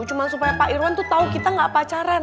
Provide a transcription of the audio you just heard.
cuman supaya pak irwan tuh tau kita gak pacaran